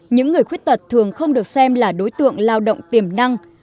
những người khuyết tật thường không được xem là đối tượng lao động tiềm năng